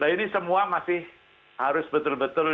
nah ini semua masih harus betul betul